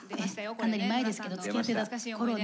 かなり前ですけどつきあってた頃ね